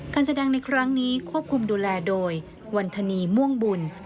การแสดงในครั้งนี้ควบคุมดูแลโดยวันธนีม่วงบุญ